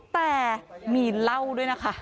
แต่มีเหล้าด้วยนะคะ